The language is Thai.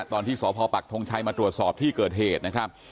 ตอนที่สพปักทงชัยมาตรวจสอบที่เกิดเหตุนะครับ